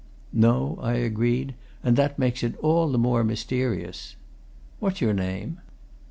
"No," I agreed, "and that makes it all the more mysterious. What's your name?"